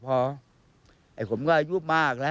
ผมเรื่องก็อายุมากละ